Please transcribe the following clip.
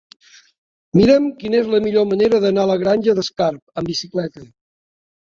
Mira'm quina és la millor manera d'anar a la Granja d'Escarp amb bicicleta.